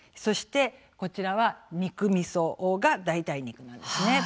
こちらは肉みそが代替肉なんですね。